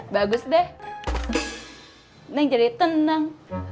bagus deh neng jadi tenang